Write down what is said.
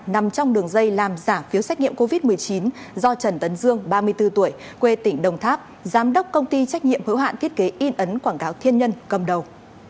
nằm trong đường dây làm giả phiếu xét nghiệm covid một mươi chín do trần tấn dương ba mươi bốn tuổi quê tỉnh đồng tháp giám đốc công ty trách nhiệm hữu hạn thiết kế in ấn quảng cáo thiên nhân cầm đầu